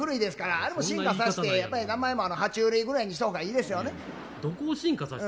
あれも進化させて、やっぱり名前もは虫類ぐらいにしたほうがいいどこを進化させてるの。